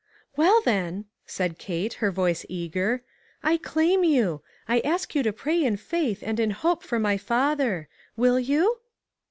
"Well, then," said Kate, her voice eager, "I claim you; I ask you to pray in faith and in hope for my father. Will you